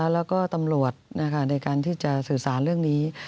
แล้วก็ตำรวจในการที่จะสื่อสารเรื่องนี้